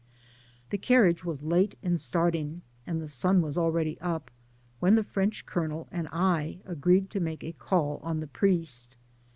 The carriage was late in starting, and the sun was already up, when the French Colonel and I agreed to make a visit to the priest.